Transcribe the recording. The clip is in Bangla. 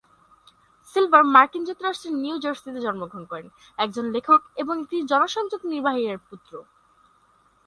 সিলভার মার্কিন যুক্তরাষ্ট্রের নিউ জার্সিতে জন্মগ্রহণ করেন, একজন লেখক এবং একটি জনসংযোগ নির্বাহী এর পুত্র।